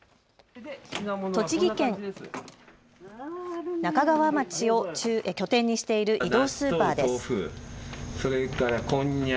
栃木県那珂川町を拠点にしている移動スーパーです。